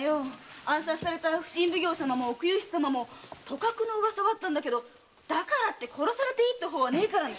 暗殺された普請奉行様も奥右筆様もとかくの噂はあったんだけどだからって殺されていいって法はねえからね。